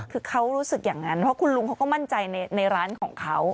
คือเขารู้สึกอย่างนั้นเพราะคุณลุงเขาก็มั่นใจในร้านของเขา